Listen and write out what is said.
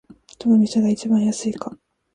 どの店が一番安いか